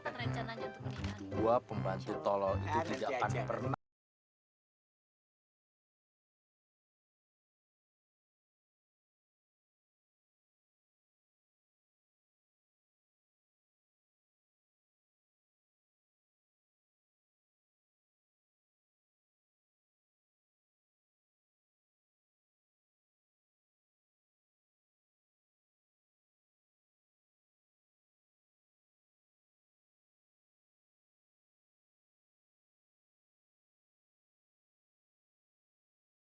mbak apa mbak punya hubungan khusus dengan produser ini